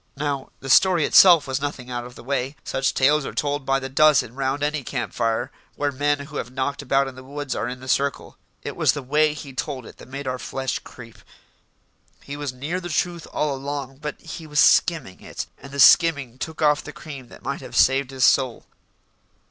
Now, the story itself was nothing out of the way; such tales are told by the dozen round any camp fire where men who have knocked about in the woods are in the circle. It was the way he told it that made our flesh creep. He was near the truth all along, but he was skimming it, and the skimming took off the cream that might have saved his soul.